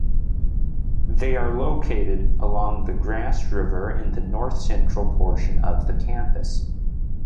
They are located along the Grasse River in the north-central portion of the campus.